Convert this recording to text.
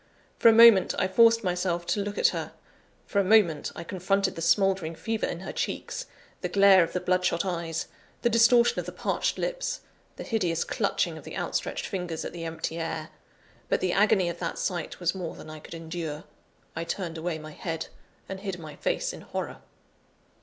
For a moment, I forced myself to look at her; for a moment, I confronted the smouldering fever in her cheeks; the glare of the bloodshot eyes; the distortion of the parched lips; the hideous clutching of the outstretched fingers at the empty air but the agony of that sight was more than I could endure: I turned away my head, and hid my face in horror.